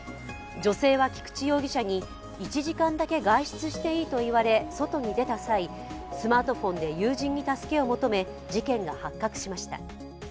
女性は菊地容疑者に、１時間だけ外出していいと言われ、外に出た際スマートフォンで友人に助けを求め事件が発覚しました。